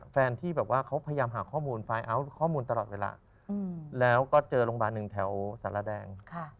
แฟนที่แบบว่าเขาพยายามหาข้อมูลตลอดเวลาแล้วก็เจอโรงพยาบาลหนึ่งแถวสรรละแดง